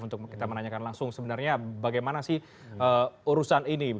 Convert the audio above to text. untuk kita menanyakan langsung sebenarnya bagaimana sih urusan ini